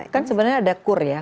kan sebenarnya ada kur ya